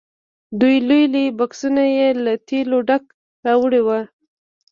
دوه لوی لوی بکسونه یې له تېلو ډک راوړي وو.